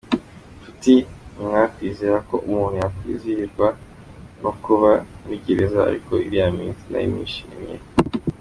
Nshuti, ntimwakwizera ko umuntu yakwizihirwa no kuba muri gereza ariko uriya munsi nari nishimiye.